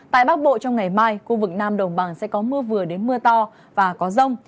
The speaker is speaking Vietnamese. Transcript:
tại bắc bộ trong ngày mai khu vực nam đồng bằng sẽ có mưa vừa đến mưa to và có rông